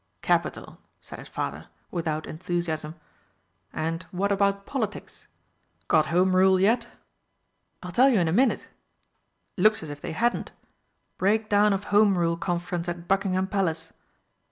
"Capital!" said his father without enthusiasm, "and what about Politics? Got Home Rule yet?" "I'll tell you in a minute.... Looks as if they hadn't. Breakdown of Home Rule Conference at Buckingham Palace.